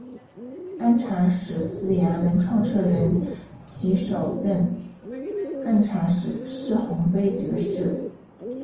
按察使司衙门创设人暨首任按察使是洪卑爵士。